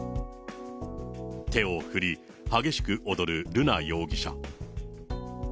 手を振り、激しく踊る瑠奈容疑者。